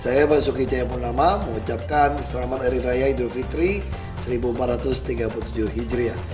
saya basuki jayapurnama mengucapkan selamat hari raya idul fitri seribu empat ratus tiga puluh tujuh hijriah